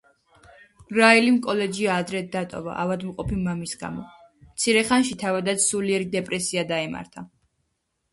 რაილიმ კოლეჯი ადრე დატოვა ავადმყოფი მამის გამო; მცირე ხანში თავადაც სულიერი დეპრესია დაემართა.